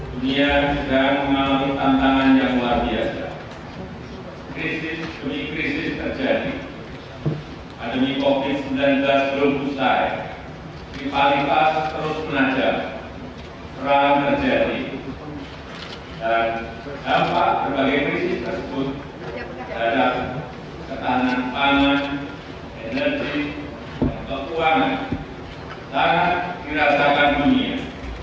dan dampak berbagai krisis tersebut adalah ketahanan pangan energi dan kekuangan tanpa kirasakan dunia